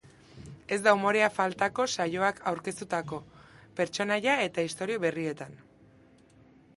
Ez da umorea faltako saioak aurkeztutako pertsonaia eta istorio berrietan.